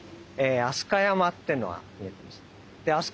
飛鳥山っていうのが見えます。